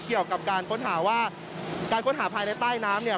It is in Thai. เกี่ยวกับการค้นหาว่าการค้นหาภายในใต้น้ำเนี่ย